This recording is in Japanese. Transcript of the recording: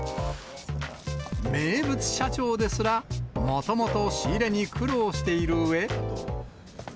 名物社長ですら、もともと仕入れに苦労しているうえ。